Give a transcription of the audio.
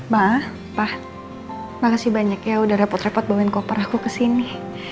maaf pak makasih banyak ya udah repot repot main koper aku kesini